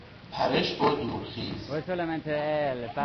پرش با دورخیز